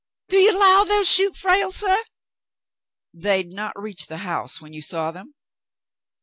"Do you 'low they'll shoot Frale, suh?" "They'd not reached the house when you saw them.'